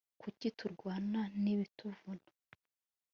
kuki turwana?nibituvuna